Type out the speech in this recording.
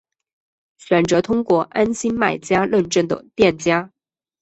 选择通过安心卖家认证的店家